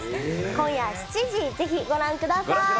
今夜７時、ぜひご覧ください。